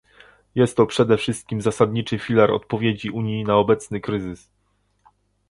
Jest to przede wszystkim zasadniczy filar odpowiedzi Unii na obecny kryzys